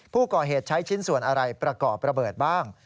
ผู้ก่อเหตุใช้ชิ้นส่วนอะไรประกอบระเบิดบ้าง